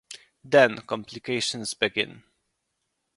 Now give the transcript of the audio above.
Then complications begin.